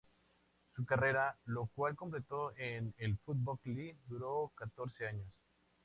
Su carrera, la cual completó en la Football League, duró catorce años.